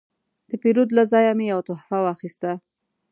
د پیرود له ځایه مې یو تحفه واخیسته.